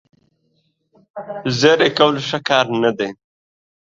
زیړې کول ښه کار نه دی.